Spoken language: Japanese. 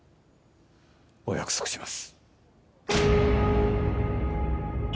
お約束します